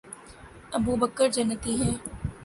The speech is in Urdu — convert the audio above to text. ابوبکر جنتی ہیں